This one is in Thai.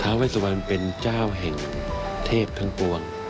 ท้าวให้สวรรค์เป็นเจ้าแห่งเทพทั้งปวง